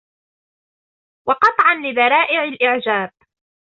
وَقَطْعًا لِذَرَائِعِ الْإِعْجَابِ